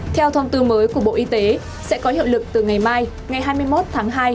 theo thông tư mới của bộ y tế sẽ có hiệu lực từ ngày mai ngày hai mươi một tháng hai